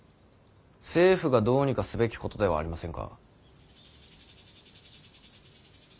政府がどうにかすべきことではありませんか。